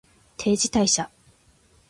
定時退社